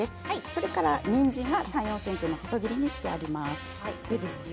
それから、にんじんは３、４ｃｍの細切りにしてあります。